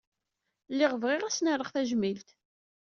Lliɣ bɣiɣ ad sen-rreɣ tajmilt.